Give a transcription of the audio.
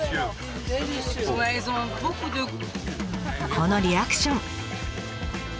このリアクション。